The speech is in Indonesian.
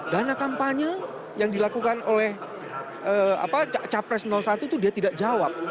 dana kampanye yang dilakukan oleh capres satu itu dia tidak jawab